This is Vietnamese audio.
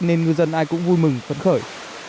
nên ngư dân ai cũng vui mừng phận khởi